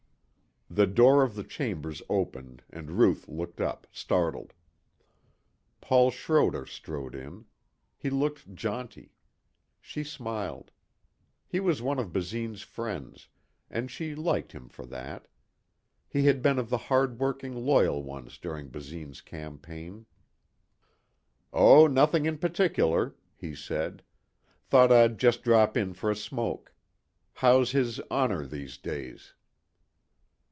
The door of the chambers opened and Ruth looked up, startled. Paul Schroder strode in. He looked jaunty. She smiled. He was one of Basine's friends, and she liked him for that. He had been of the hard working loyal ones during Basine's campaign. "Oh, nothing in particular," he said. "Thought I'd just drop in for a smoke. How's his Honor, these days?"